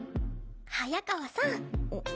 早川さん。